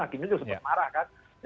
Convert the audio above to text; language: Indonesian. hakimnya juga sempat marah kan